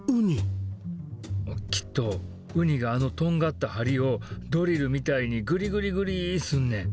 きっとウニがあのとんがった針をドリルみたいにグリグリグリすんねん。